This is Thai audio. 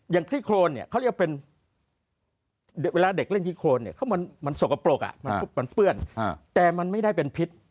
อย่างที่โครนเนี่ยเขาเรียกเป็นเวลาเด็กเล่นที่โครนเนี่ยมันสกปรกมันเปื้อนแต่มันไม่ได้เป็นพิษ